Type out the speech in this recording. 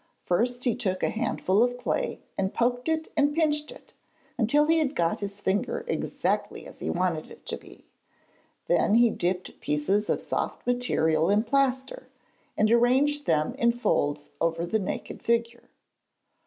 First he took a handful of clay and poked it and pinched it until he had got his figure exactly as he wanted it to be. Then he dipped pieces of soft material in plaster, and arranged them in folds over the naked figure.